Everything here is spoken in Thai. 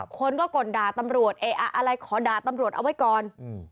คนก็ก่นด่าตำรวจเอ๊ะอะไรขอด่าตำรวจเอาไว้ก่อน